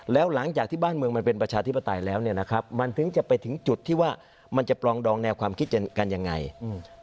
แล้วหลังจากที่บ้านเมืองมันเป็นประชาธิปไตยแล้วเนี่ยนะครับมันถึงจะไปถึงจุดที่ว่ามันจะปลองดองแนวความคิดกันยังไงอืม